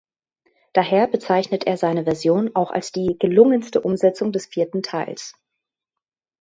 Daher bezeichnete er seine Version auch als die gelungenste Umsetzung des vierten Teils.